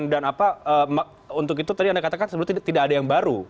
dan untuk itu tadi anda katakan sebenarnya tidak ada yang baru